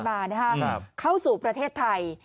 ผมมานะฮะครับเข้าสู่ประเทศไทย